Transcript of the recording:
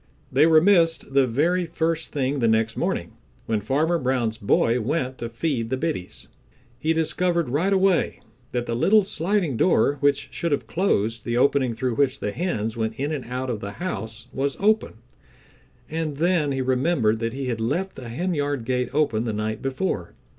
They were missed the very first thing the next morning when Farmer Brown's boy went to feed the biddies. He discovered right away that the little sliding door which should have closed the opening through which the hens went in and out of the house was open, and then he remembered that he had left the henyard gate open the night before.